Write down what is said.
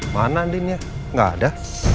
mana andinnya gak ada